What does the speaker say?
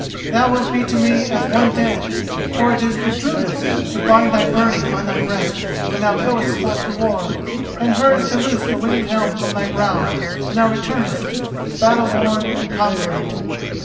Thou wilt be to me as one dead, for it is Gudruda's to bind the byrnie on thy breast when thou goest forth to war, and hers to loose the winged helm from thy brow when thou returnest, battle worn and conquering."